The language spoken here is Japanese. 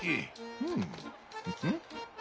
うん。